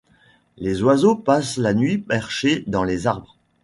Les oiseaux passent la nuit perchés dans les arbres.